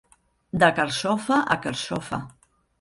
De carxofa a carxofa.